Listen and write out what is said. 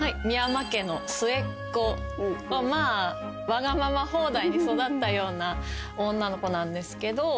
深山家の末っ子まあわがまま放題に育ったような女の子なんですけど。